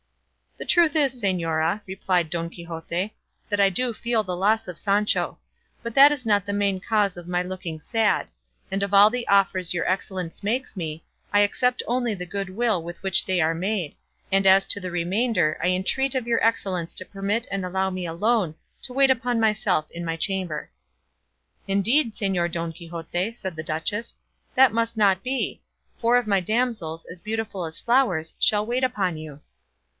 "The truth is, señora," replied Don Quixote, "that I do feel the loss of Sancho; but that is not the main cause of my looking sad; and of all the offers your excellence makes me, I accept only the good will with which they are made, and as to the remainder I entreat of your excellence to permit and allow me alone to wait upon myself in my chamber." "Indeed, Señor Don Quixote," said the duchess, "that must not be; four of my damsels, as beautiful as flowers, shall wait upon you."